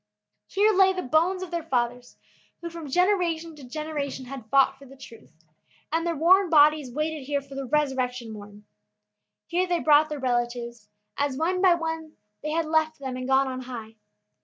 Here lay the bones of their fathers who from generation to generation had fought for the truth, and their worn bodies waited here for the resurrection morn. Here they brought their relatives, as one by one they had left them and gone on high.